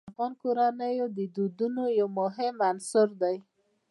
سیلابونه د افغان کورنیو د دودونو یو مهم عنصر دی.